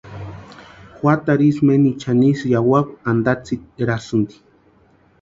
Juatarhu ísï menichani ísï yawakwa antatsirasïnti.